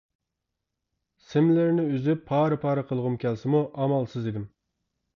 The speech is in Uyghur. سىملىرىنى ئۈزۈپ، پارە-پارە قىلغۇم كەلسىمۇ ئامالسىز ئىدىم.